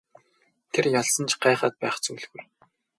Тэр ялсан ч гайхаад байх зүйл байхгүй.